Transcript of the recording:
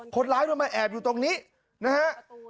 คนร้ายมันมาแอบอยู่ตรงนี้นะฮะ